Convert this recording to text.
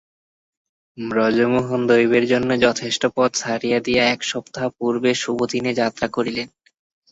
ব্রজমোহন দৈবের জন্য যথেষ্ট পথ ছাড়িয়া দিয়া এক সপ্তাহ পূর্বে শুভদিনে যাত্রা করিলেন।